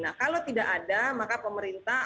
nah kalau tidak ada maka pemerintah